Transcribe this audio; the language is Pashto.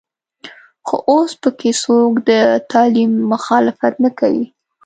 خو اوس په کې څوک د تعلیم مخالفت نه کوي.